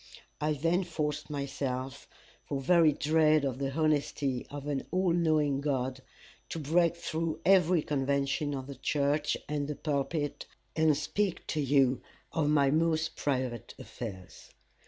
I then forced myself, for very dread of the honesty of an all knowing God, to break through every convention of the church and the pulpit, and speak to you of my most private affairs.